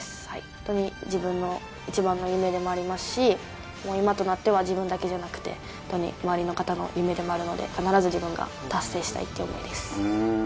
本当に自分の一番の夢でもありますし、もう今となっては自分だけじゃなくて、本当に周りの方の夢でもあるので、必ず自分が達成したいっていう思いです。